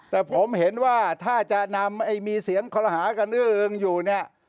แต่ผมเห็นว่าถ้าจะนำมีเสียงคอรหากันอื้ออึงอยู่เนี่ย